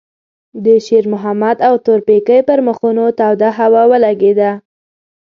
د شېرمحمد او تورپيکۍ پر مخونو توده هوا ولګېده.